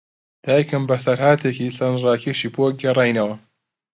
دایکم بەسەرهاتێکی سەرنجڕاکێشی بۆ گێڕاینەوە.